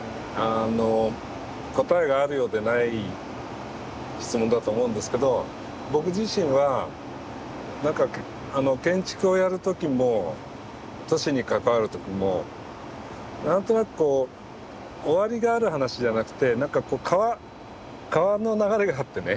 答えがあるようでない質問だと思うんですけど僕自身は建築をやる時も都市に関わる時も何となくこう終わりがある話じゃなくて川の流れがあってね